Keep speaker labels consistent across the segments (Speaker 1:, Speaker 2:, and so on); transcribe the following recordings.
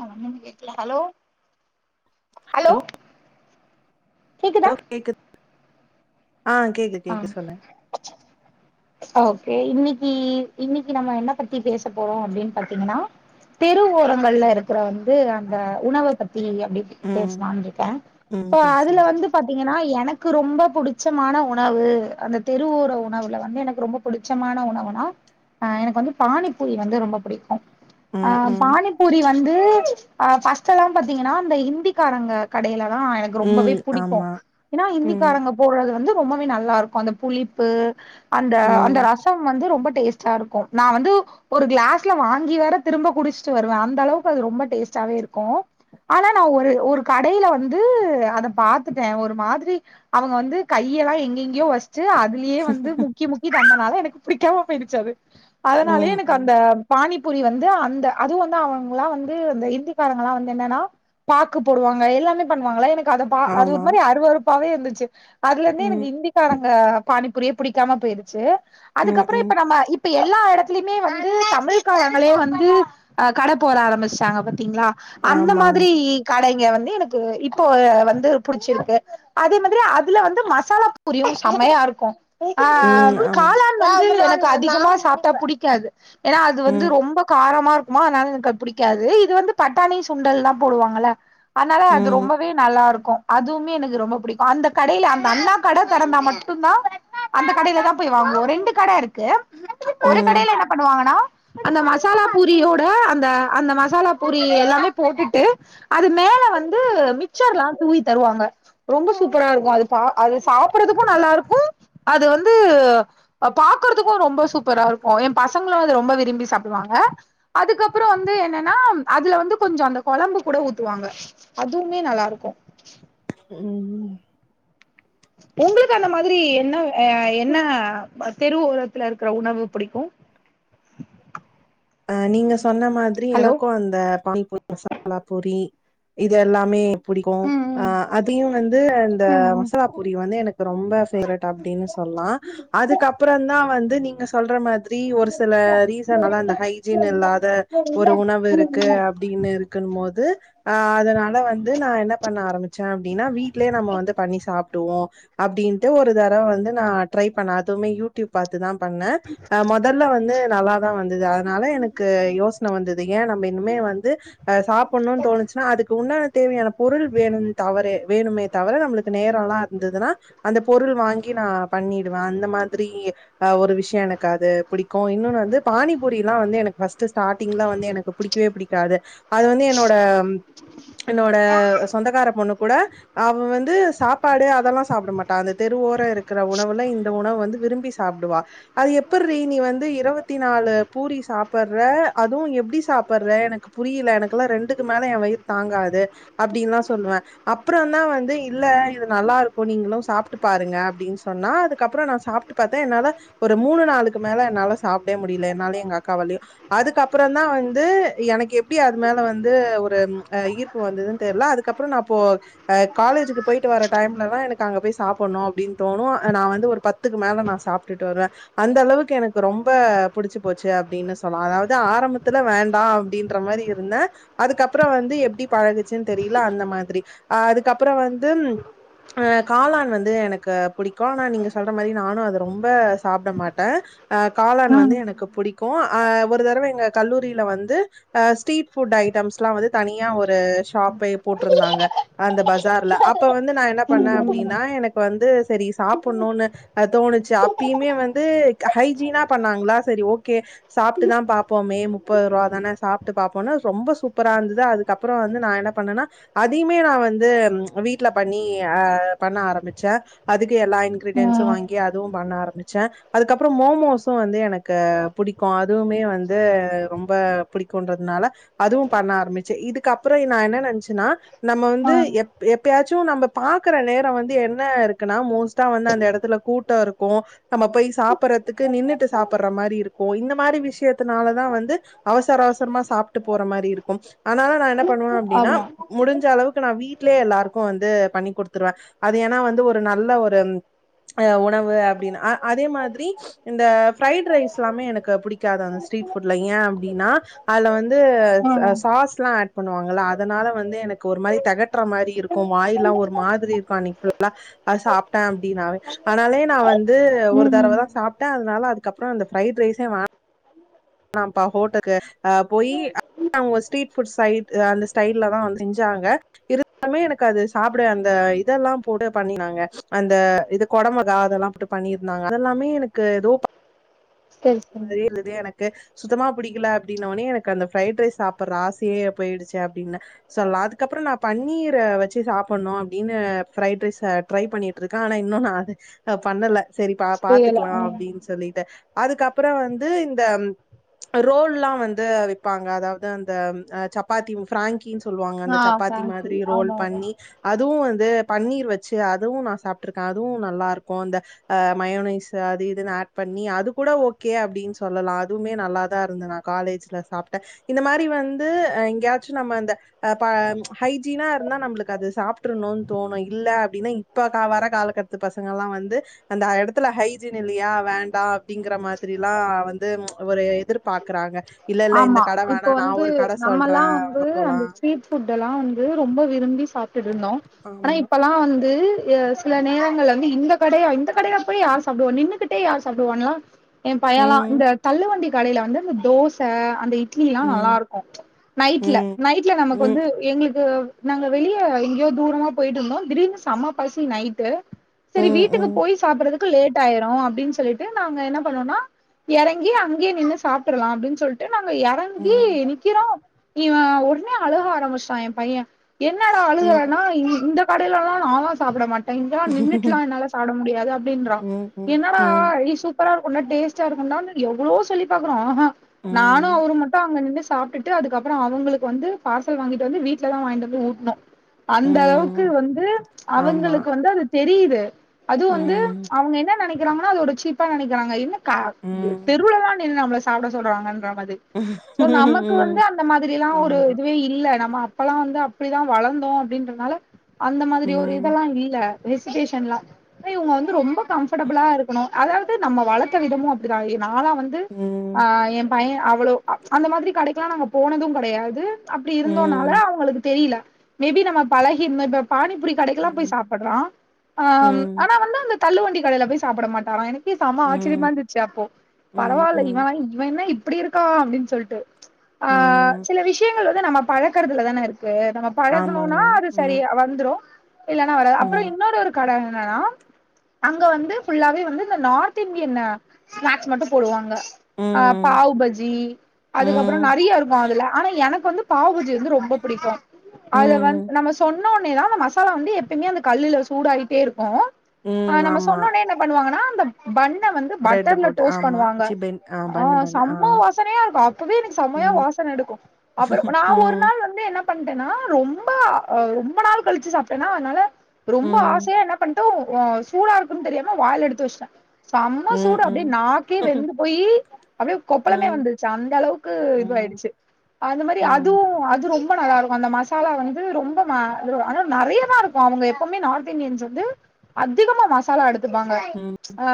Speaker 1: அ ஒன்னுமே கேகல hello hello கேக்குதா
Speaker 2: ஹலோ கேக்கு ஆஹ் கேக்கு
Speaker 1: ஆ
Speaker 2: கேக்கு சொல்லு
Speaker 1: ஓகே இன்னைக்கு இன்னைக்கு நம்ம என்ன பத்தி பேச போறோ அப்படின்னு பாத்தீங்கன்னா தெரு ஓரங்கள்ல இருக்கிற வந்து அந்த உணவ பத்தி அப்படி
Speaker 2: ம்
Speaker 1: பேசலான்னு இருக்கே
Speaker 2: ம்
Speaker 1: இப்ப
Speaker 2: பேசலா
Speaker 1: அதுல வந்து பாத்தீங்க எனா எனக்கு ரொம்ப புடிச்சமான உன உணவு அந்த தெருவோர உணவுல வந்து எனக்கு ரொம்ப பிடிச்சமான உணவுனா அஹ் எனக்கு வந்து பானிப்பூரி வந்து ரொம்ப புடிக்கு
Speaker 2: ம்
Speaker 1: ஆஹ்
Speaker 2: ம்
Speaker 1: பானிப்பூரி வந்து அஹ் ஃபஸ்ட்ல பாத்தீங்கன்னா இந்த ஹிந்திக்காரங்க கடயில அ எனக்கு ரொம்பவே
Speaker 2: ம்
Speaker 1: புடிக்கும்
Speaker 2: ஆமா
Speaker 1: ஏன்னா
Speaker 2: ம்
Speaker 1: இந்திக்காரங்க போடுறது வந்து ரொம்பவே நல்லாருக்கும் அந்த புளிப்பு அந்த அந்த
Speaker 2: ம்
Speaker 1: ரச வந்து ரொம்ப டேஸ்டாருக்கு நா வந்து ஒரு கிளாஸ்ல வாங்கி வர திரும்ப குடிச்சுட்டு வருவே அந்த அளவுக்கு அது ரொம்ப டேஸ்ட்டாவே இருக்கு ஆனா நா ஒரு ஒரு கடையில வந்து அத பாத்துட்டே ஒரு மாதிரி அவங்க வந்து கையெல்லா எங்கெங்கயோ வ ச்சு அதுலயே வந்து முக்கி முக்கி தந்தனால பிடிகாம போயிடுசு அது அதனாலயே
Speaker 2: ம்
Speaker 1: எனக்கு
Speaker 2: ம்
Speaker 1: அந்த பாணிப் புரி வந்து அந்த அதுவு வந்து அவங்கலா வந்து அந்த இந்திக்காரங்களா வந்து என்னன்னா பாக்கு போடுவாங்க எல்லாமே பண்ணுவாங்கள எனக்கு அத அ அது ஒரு
Speaker 2: ஆமா
Speaker 1: மாரி அருவறுப்பாவே இருந்துச்ச ச்சுக் அதுல இருந்து எனக்
Speaker 2: ம்
Speaker 1: ஹிந்திகார ஆ பானிபூரியே புடிக்காம போயிருச்சு
Speaker 2: ம்
Speaker 1: அதுக்கப்புற
Speaker 2: ம்
Speaker 1: இப்ப நம்ம இப் இப்ப எல்லா எடத்துலயுமே வந்து தமிழ் காலங்களே வந்து அஹ் கட போர ஆரம்பிச்சாங்க த்திங்களா அந்த
Speaker 2: ஆமா
Speaker 1: மாதிரி
Speaker 2: ஆமா
Speaker 1: கடைங்க வந்து எனக் து இப்போ வந்து புடிச்சிருக்கு அதே மாதிரி அப் அதுல வந்து மசாலா பூரியு செம்மையா இருக்கு அஹ் ஆஹ்
Speaker 2: ம் ஆமா
Speaker 1: காலான் வந்து எனக் க்கு அதிகமா சாப்ட்டா புடிக்காது ஏன்னா அது வந்து
Speaker 2: ம்
Speaker 1: ரொம்ப காரமா இருக் க்குமா அதனால எனக்கு புடிக்காது இது வந்து பட்டாணி சுண்டல்லா போடுவாங்கள அதனால அது
Speaker 2: ம்
Speaker 1: ரொம்பவே நல்லாருக்கு அதுவுமே எனக்கு ரொம்ப புடிக்கு அந்தக் கடையில அந்த அண்ணா கடை திறந்தா மட்டுந்தா அந்த கடயில தா போய் வாங்குவோ ரெண்டு கடை இருக்கு ஒரு
Speaker 2: ம்
Speaker 1: கடையில என்ன பண்ணுவாங்கன்னா அந்த மசாலா பூரியோ த அந்த அந்த மசாலா பூரி எல்லாமே போட்டுட்டு அது மேல வந்து மிச்சர்லா தூவி தருவாங்க ரொம்ப சூப் சூப்பரா இருக்கும் அது பா அது சாப்பறதுக்கும் நல்லா இருக்கு அது வந்து பா பாக்குறதுக்கு ரொம்பொ சூப்பரா இருக்கு எ பசங்களு அது ரொம்ப விரும்பி சாப்பிடுவாங்க அதுக்கப்பறொ வந்து என்னனா அதுல வந்து கொஞ்சொ அந்த கொழம்பு கூட ஊத்துவாங்க அதுவுமே நல்லா இருக்கு
Speaker 2: உஹ் ம்
Speaker 1: உங்களுக்கு அந்த மாதிரி என்ன அ என் என்ன அ தெருவோரத்துல இருக்குற உணவு புடிக்கு
Speaker 2: அஹ் நீங்க சொன்ன மாதிரி எனக்கு அந்த பானிபூரி மசாலா பூரி இது எல்லாமே புடிக்கு
Speaker 1: ம்
Speaker 2: அ
Speaker 1: ம்
Speaker 2: அதையு வந்து இந்த
Speaker 1: ம்
Speaker 2: மசாலா பூரி வந்து எனக்கு ரொம்ப பேவரட் அப்படின் சொல்லா அதுக்கப்பறந்தா வந்து ந்து நீங்க சொல்ற மாதிர் தி ஒரு சில ரீசன் நல்லால்ல ஹைஜீன் இல்லாத ஒரு உணவு இருக்கு அப்படின்னு இருக்குன் போது ஆ அதனால வந்து நா என்ன பண்ண ஆரம்பிச்சே அப்படின்னா வீட்லயே நம்ம வந்து பண்ணி சாப்டுவோ அப்படின்ட்டு ஒரு தடவ வந்து நா ட்ரை பண்ண அதுவுமே யூடியூப் பாத்துதா பண்ண அ மொதல்ல வந்து நல்லாதா வந்துது அத னால எனக்கு யோசன வந்துது ஏ நம்ம இனிமே வந்து அ சாப்டணுனு தோணுச்சுன்னா அதுக்கு உண்டான தேவையான பொருள் வேணும் தவர வேணுமே தவர நம்மளுக்கு நேரல்லா இருந்துதுன்னா அந்த பொருள் வாங்கி நா பண்ணிடுவே அந்த மாதிரி அ ஒரு விஷ்யொ எனக்கு அது புடிக்கு இன்னோன்னு வந்து பாணி பூரியல்லா வந்து எனக்கு ஃபஸ் ஸ்ட் ஸ்டார்ட்டிங்ல வந்து எனக்கு புடிக்வே புடிக் க்காது அது வந்து என்னோட என்னோட சொந்தக்கார பொண்ணு கூட அவெ வந்து சாப்பாடு அதெல்லா சாப்ட மாட்டா அந்த தெரு ஓரோ இருக் க்கிற உணவுல இந்த உணவு வந்து விரும்பி சாப்புடுவா அது எப்பட்ரி நீ வந்து இருவத்தி நாலு பூரி சாப்பட்ற அதுவு எப்டி சாப்பட்ற எனக்கு புரியல எனக்குல்லா ரண்டுக்கு மேல எ வயிறு தாங்காது அப்படின்னுலா சொல்லுவ அப்பறந்தா வந்து இல்ல இது நல்லா இருக்கு நீங்களும் சாப்புட்டு பாருங்க அப்படின்னு சொன்னா அதுக்கப்பறோ நா சாப்புட்டு பாத்த என்னால ஒரு மூணு நாளுக்கு மேல என்னால சாப்டவே முடியல என்னாலே எங்க அக்காவாளையு அதுக்கப்பறொந்தா வந்து எனக்கு எப்டி அது மேல வந்து ஒரு ம் அ ஈர்ப்பு வந்ததுன்னு தெர்ல அதுக்கப்பறொ நா போ அ காலேஜுக்கு போயிட்டு வர டைம்லதா எனக்கு அங்க போய் சாப்படணு அப்படின் தோணு அ நா வந்து ஒரு பத்துக்கு மேல நா சாப்புட்டுட்டு வருவே அந்த அளவுக்கு எனக்கு ரொம்ப புடிச்சு போச்சு அப்டின்னு சொல்லா அதாவது ஆரம்பத்துல வேண்டா அப்டின்ற மாரி இருந்த அதுக்கப்பறோ வந்து எப்டி பழகுச்சுன் தெரியல அந்த மாதிரி அஹ் அதுக்கப்பறோ வந்து அஹ் காளான் வந்து எனக்கு புடிக்கு ஆனா நீங்க சொல்ற மாரி நானு அத ரொம்ப சாப்பிட மாட்டே ஆ காளான் வந்து எனக்கு புடிக்கு அஹ் ஒரு தடவ எங்க கல்லூரியில வந்து அஹ் ஸ்ட்ரீட் ஃபுட் ஐட்டம்ஸ்லா வந்து தனியா ஒரு ஷாப் போட்டிருந்தாங்க அந்த பசார்ல அப்ப வந்து நா என்ன பண்ண
Speaker 1: ம் ம்
Speaker 2: அப்படின்னா எனக்கு வந்து சரி சாப்படணுனு அ தோணுச்சு அப்பியுமே வந்து ஹைஜீனா பண்ணாங்களா சரி ஓக் கே சாப்ட்டுதா பாப்போமே முப்போருவ தான சாப்ட்டு பாப்போன்னு ரொம்பொ சூப்பரா இருந்துது அதுக்கப்றோ வந்து நா என்ன பண்ணன அதியுமே நா வந்து வீட்ல பண்ணி அ பண்ண ஆரம்பிச்சே அதுக் கு எல்லா இன்கிரீடியன்ஸு வாங்கி அது அதுவு பண்ண ஆரம்பிச்சே அதுக்கப்பறோ மோமோஸும் வந்து எனக்கு புடிக்கு அதுவுமே வந்து ரொம்ப புடிக்குன்றதுனால அதுவும் பண்ண ஆரம்பிச்ச இதுக்கப்பறோ நா என்ன நெனச்சனா நம்ம
Speaker 1: ஆ
Speaker 2: வந்து எப் எப்பயாச்சு து நம்ம பாக்குற நேரோ வந்து என்ன இருக்குன்னா மோஸ்டா வந்து அந்த எடத்துல கூட்டோ இருக்கு நம்ம போய் சாப்பறதுக்கு நின்னுட்டு சாப்பற மாறி இருக் இந்த மாரி விஷயத்துனாலதா வந்து அவசர அவசரமா சாப்டு போற மாரி இருக்கும் அதனால நா என்ன பண்ணுவே அப்டின்னா
Speaker 1: ஆமா
Speaker 2: முடிஞ்ச அளவுக்கு நா வீட் வீட்லயே எல்லாருக்கு வந்து பண்ணி குடுத்துருவே அது ஏன்னா வந்து ஒரு நல்ல ஒரு உணவு அப்டின்னு அ அதே மாதிரி இந்த ஃபிரரைட் ரைஸ் திலாமே எனக்கு புடிக்காது அந்த ஸ்ட்ரீட் ஃபுட்ல ஏன் அப்டின்னா அதுல வந்து சாஸ்லா ஆட் பண்ணுவாங்கள்ல அதனால வந்து எனக்கு ஒரு மாறி தெகட்றா மாரி இருக்கோ வாயிலாம் ஒரு மாதிரி இருக்கோ அணிக்கு ஃபுல்லா அது சாப்டே அப்டினாவே அதனாலே நா வந்து அது ஒரு
Speaker 1: ம்
Speaker 2: தரவ
Speaker 1: ம்
Speaker 2: தா சாப் டா அதுனால அதுக்கப்பரோ அந்த ஃப்ரைட் ரைஸே வே ந ப்பா ஹோட்டக்கு ஆஹ் போய் அவங்க ஸ்ட்ரீட் ஃபுட்சைட் அந்த ஸ்டைலதான் வந்து செஞ்சாங்க இருந்தாலுமே எனக்கு அது சாப்பட அந்த இதெல்லாம் போட்டு பண்ணினாங்க அந்த இது கொடமொகா அதெல்லாம் போட்டு பண்ணிருந்தாங்க அதெல்லாமே எனக்கு ஏதோ
Speaker 1: சரி
Speaker 2: மாறி இருந்து எனக் சுத்தமா புடிக்கல அப்டின்னொனே எனக்கு அந்த பிரரைட் ரைஸ் சாப்பற ஆசையே போயிடுச்சு அப்டின்னா சொல்ல அதுக்கப்பரோ நா பன்னீர வெச்சு சாப்டனு அப்டின்னு பிரரைட் ரைஸ் ட்ரை பண்ணிட்டு இருக்க ஆனா இன்னு நா அத பண்ணல சரிப்பா பாத்துக்கலா அப்படின்னு சொல்லிட்டு அதுக்கப் அப்பரோ வந்து இந்த ரோல்லா வந்து விப்பாங்க அதாவது அந்த சப்பாத்தி பிராங்க் கி சொல்லுவாங்க அந்த சப்பாத்தி மாதிரி ரோல் பண்ணி அதுவு வந் பன்னீர் வெச்சு அதுவு நான் சாப்பிட்டுருக்கே அதுவு நல்லா இருக்கும் இந்த அ மயோனைஸ் அது இதுனு அட் பண்ணி அது கூட ஓ கே அப்படின்னு சொல்லலா அதுவுமே நல்லாதான் இருந்தது நா காலேஜ்ல சாப்ட்டன் இந்த மாரி வந்து எங்கேயாச்சு நம்ம இந்த அ ப ஹைஜீனா இருந்தா நம்மளுக்கு அது சாப்டர்னுனு தோணு இல்ல அப்படின்னா இப்ப வர காலக்கட்டத்து பசங்கள வந்து அந்த எடத்துல ஹைஜீன் இல்லையா வேண்டா அப்படிங்கற மார் த்ரிலா வந்து ஒரு எதிர்பாக்குறாங்க
Speaker 1: ஆமா இப்ப வந்து நம்மல்லா
Speaker 2: சொல்றேன்.
Speaker 1: வந்து
Speaker 2: அங்க
Speaker 1: அந்த
Speaker 2: போலாம்.
Speaker 1: ஸ்ட்ரீட் ஃபுட் எல்லா வந்து ரொம்ப விரும்பி டிருந்தோ ஆனா
Speaker 2: ஆமா.
Speaker 1: இப்பல்லா வந்து சில நேரங்கள இந்த கடையா இந்த கடையில போய் யார் சாப்புடுவா நின்னுகிட்டே யார் சாப்டுவானுலா எ பையலா
Speaker 2: ம்.
Speaker 1: இந்த தள்ளு வண்டி கடைல வந்து இந்த தோஸ் ச அந்த இட் இட்லிலா நல்லா
Speaker 2: ம்.
Speaker 1: இருக்கும் ம்ச் நைட்ல
Speaker 2: ம்.
Speaker 1: நைட்ல நமக்கு
Speaker 2: ம்.
Speaker 1: வந்து எங்ளுக்கு நாங்க வெளிய எங்கியோ தூரமா போய்ட்டு இருந்தோ திடீர்னு சம பசி நைட்டு
Speaker 2: ம்.
Speaker 1: செரி வீட்டுக்கு
Speaker 2: ம்.
Speaker 1: போய் சாப்டுறதுக் கு லேட் ஆய்ரு அப்டின் சொல்லிட்டு நாங்க என்ன பண்ணோனா எறங்கி அங்கியே நின்னு சாப்ட்ருலா அப்டின் சொல் நாங்க எறங்கி
Speaker 2: ம்.
Speaker 1: நிக்கிறோ இவ ஒடனே அழக ஆரம்பிச்சுட்டா என் பையன் என்னடா
Speaker 2: ம்.
Speaker 1: அழுகுறனா இ இந்த கடையிலலா நாலா சாப்ட மட் ட இங்கலா நின்னுட்லா என்னால சாப்ட முடியாது அப்டின்றா
Speaker 2: ம். ம்.
Speaker 1: என்னடா
Speaker 2: ம்.
Speaker 1: [unintelligible] சூப்பரா இருக்குன்டா டேஸ்டா இருக்குன்டானு எவ்ளோ சொல்லி பாக்குறோ அஹம் நானு
Speaker 2: ம்.
Speaker 1: அவுரு மட்டு அங்க நின்னு சாப்டுட்டு அதுக்கப்பறோ அவுங்களுக்கு வந்து பார்சல் வாங்கிட்டு வந்து வீட்டுல தா வாங்கிட்டு வந்து ஊட்ணோ அந்த அளவுக்கு
Speaker 2: ம்.
Speaker 1: வந்து
Speaker 2: ஆமா.
Speaker 1: அவுங்களுக்கு வந்து அது தெரியி அது வந்து
Speaker 2: ம்.
Speaker 1: அவுங்க என்ன நனைக் கிறாங்னோ அதோட சீப்பா நனக்கிறாங்க இன்ன கா
Speaker 2: ம்.
Speaker 1: தெருவுலதா நின்னாம்ள சாப்ட சொல்றாங்கன் நமது சோ நமக்கு வந்து
Speaker 2: ம்.
Speaker 1: அந்த மாதிரிலா ஒரு
Speaker 2: ஆமா.
Speaker 1: இதுவே இல்ல நம்ம அப்பலா வந்து அப்டிதா வளந்தோ அப்டின்றனால அந்த மாதுரி ஒரு
Speaker 2: ம்.
Speaker 1: இதல்லா இல்ல ஹெசிடேஷன்லா இவங்க வந்து ரொம்ப கம்ஃபர்டபிளா இருக்கணு அதாவது நம்ம வளத்த விதமு அப்டிதா நாலா வந்து
Speaker 2: ம்.
Speaker 1: ஆ எம் ஏ அவ்ளோ அந்த மாதிரி கடைக்குலா நாங்க போனது கெடையாது அப்டி இருந்தோனால
Speaker 2: ம்.
Speaker 1: அவங்களுக்கு தெரில மே பி நம்ம பழகி இந்தோ இப்ப பானிபுரி கடைக்கில்லா போய்
Speaker 2: ம்.
Speaker 1: சாப்பட்றா ஆம்
Speaker 2: ம்.
Speaker 1: ஆனா வந்து அந்த தள்ளுவண்டி கடைல போய் சாப்பட மாட்டாரா எனக் சாம ஆச்சர்யமா
Speaker 2: ம்.
Speaker 1: இருந்துச்சு அப்போ
Speaker 2: ம்.
Speaker 1: பரவால்ல இவ
Speaker 2: ம்.
Speaker 1: இவ என்ன இப் இப்டி இருக்கா அப்டின் சொல்ட்டு ஆ
Speaker 2: ம்.
Speaker 1: சில விஷயங்கள் நம்ம பழக்குறதுல தானே இருக் கு நம்ம
Speaker 2: ஆமாங்க.
Speaker 1: பழகணுனா அது
Speaker 2: ம்,
Speaker 1: சரியா வந்துரு இல்லனா வரா அப்புற
Speaker 2: ம்,
Speaker 1: இன்னொரு ஒரு கட ஆனா அங்க வந்து ஃபுல்லாவே வந்து இந்த நார்த் இன்டியன் ஸ்நேக்ஸ் மட்டு போடுவாங்க ஆ
Speaker 2: ம்,
Speaker 1: பாவுபஜ்ஜி அதுக்கப்புற
Speaker 2: ம்,
Speaker 1: நெறைய இருக்கு அதுல ஆனா எனக்கு வந்து பாவுபஜ்ஜி வந்து ரொம்ப பிடிக்கு அது வந்
Speaker 2: ம்,
Speaker 1: நம்ம சொன்னோ னேதா அந்த மசாலா வந்து எப்பேமே அந்த கல்லுல சூடாயிட்டே இருக்கு ஆ
Speaker 2: ம்.
Speaker 1: நம்ம
Speaker 2: ஆமா.
Speaker 1: சொன்னோனே என்ன பண்ணுவாங்கனா இந்த பன்
Speaker 2: பிரெட் போட்டு ஆமா சி பென் ஆ பன்னு பன்னு ஆ.
Speaker 1: செம வாசனையா இருக்கு அப்பவே எனக்கு செம்மையா
Speaker 2: ம்,
Speaker 1: வாசனை எடுக்கு அப்புற நா ஒரு
Speaker 2: ம்,
Speaker 1: நாள் வந்து என்ன பண்ட்டேனா ரொம்ப ஆ ரொம்ப நாள் கழிச்சு சாப்டேனா அதனால ரொம்ப
Speaker 2: ம்,
Speaker 1: ஆசையா என்ன பண் டோ ஆஹ் சூடா இருக்குன்னு தெரியாம வாயல எடுத்து வச்ட்டே செம்மா
Speaker 2: ம்,
Speaker 1: சூடு அப்டியே
Speaker 2: ம்.
Speaker 1: நாக்கே வெந்து போயி அப்டியே கொப்பளமே
Speaker 2: ம்,
Speaker 1: வந்துருச்சு அந்த அளவுக்கு இது
Speaker 2: ம்,
Speaker 1: ஆயிடுச்சு அந்த மாரி
Speaker 2: ம்,
Speaker 1: அதுவு அது ரொம் ரெம்பா நல்லாருக்கு அந்த மசாலா வந்து ரொம்ப [unintelligible] நெறையதா இருக்கு அவுங்க எப்வுமே நார்த் இந்தியன்ஸ் வந்து அதிகமா மசாலா எடுத் பாங்க
Speaker 2: ம்.
Speaker 1: ஆ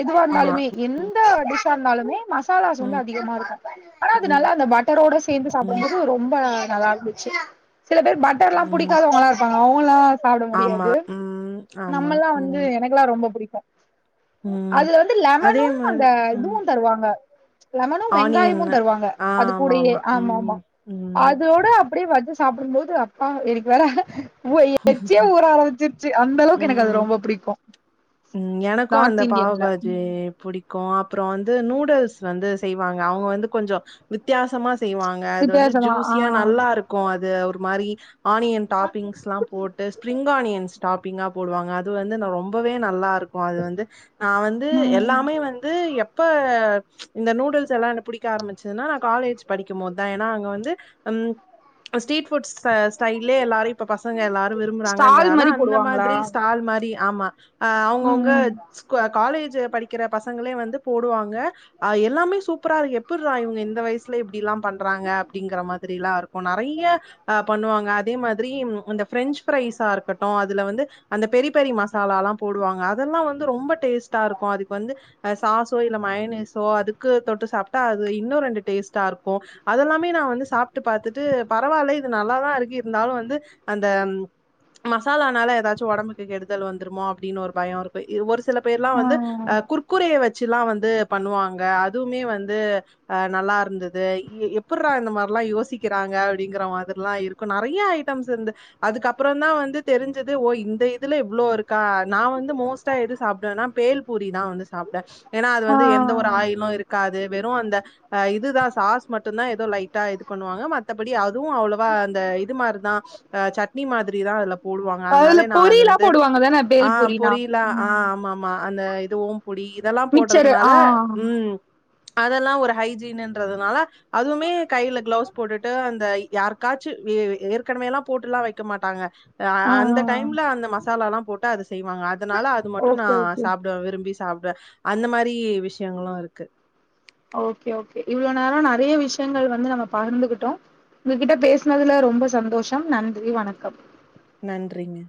Speaker 1: எதுவா
Speaker 2: ஆமா.
Speaker 1: இருந்தாலுமே என் எந்த டிஷ்ஷா இருந்தாலுமே மசாலாஸ் வந்து
Speaker 2: ம்,
Speaker 1: அதிகமா இருக்கு ஆனா அது நல்லா
Speaker 2: ம்,
Speaker 1: அந்த பட்டரோட சேர்ந்து
Speaker 2: ம்,
Speaker 1: சாப்பிடுபோது ரொம்ப நல்லாருந்துச்சு சில பேர் பட்டர்லா
Speaker 2: ம்.
Speaker 1: பிடிக்காதவங்களா இருப்பாங்க அவங்கள்லா சாப்பிட
Speaker 2: ஆமா.
Speaker 1: முடியாது
Speaker 2: ம், ஆமா.
Speaker 1: நம்மலா வந்து
Speaker 2: ம்,
Speaker 1: எனக்குல்லா ரொம்ப புடிக்கு
Speaker 2: ம்.
Speaker 1: அதுல வந்து
Speaker 2: அதே
Speaker 1: லெமனும் அந்த
Speaker 2: மாரி அ
Speaker 1: இதுவு தருவாங்க லெமனு
Speaker 2: ஆனியன்.
Speaker 1: வெங்காயமு தருவாங்க
Speaker 2: ஆ
Speaker 1: அது கூடயே
Speaker 2: ஆமாமா.
Speaker 1: ஆமா ஆமா
Speaker 2: ம், ம்,
Speaker 1: அதோட அப்புடியே வஜ்சு சாப்பிடும் போது அப்பா எனக்கு வேற உ எச்சியே ஊர ஆரமிச்சிருச்சு
Speaker 2: உம் உம் எனக்கு அந்த
Speaker 1: நார்த் இந்தியன்ல
Speaker 2: பாவ்பாஜி புடிக்கு க்கு அப்புற வந்து நூடுல்ஸ் வந்து செய்வாங்க அவங்க வந்து கொஞ்ச வித்தியாசமா செய்வாங்க அது வந்து
Speaker 1: வித்தியாசமா
Speaker 2: ஜூசியா
Speaker 1: ஆ
Speaker 2: நல்லா இருக்கு அது ஒரு மாரி ஆனியன் டாப்பிங்ஸ்லா போட்டு ஸ்பிரிங் ப ஆனியின் ஸ்டாப் பிங்கா போடுவாங்க அது வந்து ரொம்பவே நல்லா இருக் கு அது வந்து நா வந்து
Speaker 1: ம்
Speaker 2: எல்லாமே வந்து எப் இப்ப இந்த நூடுல்ஸ் எல்லாமே புடிக்க ஆரம்மிச்சதுனா காலேஜ் படிக்கும்போது தா ஏனா அங்க வந்து உம் அஹ் ஸ்ட்ரீட் ஃபு ஃபுட்ஸு ஸ்டைலே எல்லாரு இப்ப பசங்க எல்லாரு
Speaker 1: ஸ்டால்
Speaker 2: விரும்புறாங்கன்றனால
Speaker 1: மாரி
Speaker 2: அந்த மாதி
Speaker 1: போடுவாங்களா
Speaker 2: க்ரில் ஸ்டால் மாரி ஆமா அஹ் அவ்ங்கவ்ங்க
Speaker 1: ம்
Speaker 2: ஸ்கூல் ஆர் காலேஜ் ஜு படிக்கிற பசங்களே வந்து போடுவாங்க அஹ் எல்லாமே சூப்பராருக்கு எப்புட்றா இவ்ங்க இந்த வயசுலேப் ப்டிலா பண்றாங்க அப்டிங்கிற மாரி க்ரிலா இருக்கு நெறைய ஆஹ் பண்ணுவாங்க அதே மாதிரி இந்த பிரெஞ்ச் ப்ரைஸ் ஆஹ் இருக்கட்டு அதுல வந்து அந்த பெரி பெரி மசாலாலா போடுவாங்க அதெல்லா வந்து ரொம்ப டேஸ்ட்டா இருக்கு அதுக்கு வந்து அஹ் சாசோ இல்ல மயொனீசோ அதுக்கு தொட்டு சாப்ட்டா அது இன்னு ரெண்டு டேஸ்ட்டா இருக்கு அதெல்லாமே நா வந்து சாப்ட்டு பாத்தட்டு பரவால்ல இது நல்லாதா இருக்கு இருந்தாலு வந்து அந்த மசாலானால எதாச் சு ஒடம்புக்கு கெடுதல் வந்துருமா அப்டின் ஒரு பய இருக்கு இவ்வொரு சில பேர்லா
Speaker 1: ம் ஆ
Speaker 2: வந்து ஆஹ் குர்குரே ல்லா வந்து பண்ணுவாங்க அதுவுமே வந்து அ நல்லா இருந்துது எப்புர்றா இந்த மார்லா யோசிக்கிறாங்க அப்டிங்கற மாதிரிலா இருக்கு நெறையா ஐட்டம்ஸ் இருந்து அதுக்கப்பறந்தா வந்து தெரிஞ்சது ஓ இந்த இதுல இவ்ளோ இருக்கா நா வந்து மோஸ்ட்டா எது சாப்டுவன்னா பேல் பூரிதா வந்து சாப்டுவ ஏனா அது
Speaker 1: ஆ
Speaker 2: வந்து எந்த ஒரு ஆயிலு இருக்காது வெறு அந்த இதுதா சாஸ் மட்டுந்தா எதோ லைட்டா இது பண்ணுவாங்க மத்தபடி அதுவு அவ்வளவா அந்த இது மாருதா அ சட்னி மாதிரிதா அதுல போடுவாங்க அதனால
Speaker 1: அதுல
Speaker 2: நா அது
Speaker 1: பொறிலா
Speaker 2: வந்து
Speaker 1: போடுவாங்கதானே
Speaker 2: ஆ
Speaker 1: பேல்பூரினா
Speaker 2: பொரியலா ஆ
Speaker 1: ம்
Speaker 2: ஆமாமா அந்த இதுவு பொடி இதெல்லா போடறதுனால
Speaker 1: ஆ
Speaker 2: ம் அதெல்லா ஒரு ஹைஜீனுன்றதுனால அதுவுமே கைல கிளவ்ஸ் போட்டுட்டு அந்த யாருக்காச்சு ஏற்கனவேலா போட்டுலா வெக்க மாட்டாங்க ஆ அந்த டைம்ல அந்த மசாலாலா போட்டு அது செய்வாங்க அதனால அது மட்டு நா
Speaker 1: ஓகே ஓகே
Speaker 2: சாப்டுவ விரும்பி சாப்டுவ அந்த மாரி விஷயங்களு இருக்கு
Speaker 1: ஓகே ஓகே இவ்ளோ நேர நா நெறைய விஷயங்கள் வந்து நம்ம பகிர்ந்து கிட்டோ உங்ககிட்ட பேசனதுல ரொம்ப சந்தோஷம் நன்றி வணக்கம்
Speaker 2: நன்றிங்க